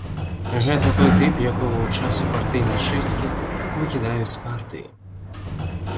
Гэта той тып, якога ў часе партыйнай чысткі выкідаюць з партыі.